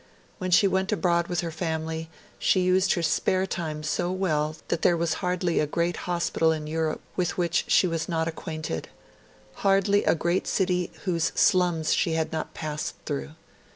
When she went abroad with her family, she used her spare time so well that there was hardly a great hospital in Europe with which she was not acquainted; hardly a great city whose slums she had not passed through.